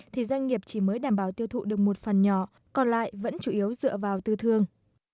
thì doanh nghiệp chỉ mới đảm bảo tiêu thụ được một phần nhỏ còn lại vẫn chủ yếu dựa vào tư thương